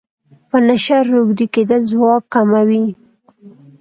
په نشه روږدی کیدل ځواک کموي.